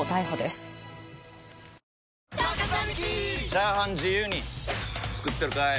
チャーハン自由に作ってるかい！？